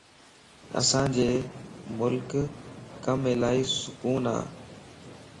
اسان جي ملڪ ڪم الائي سڪون ا